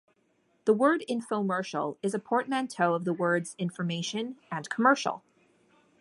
The word "infomercial" is a portmanteau of the words "information" and "commercial".